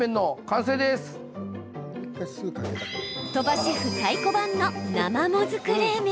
鳥羽シェフ太鼓判の生もずく冷麺。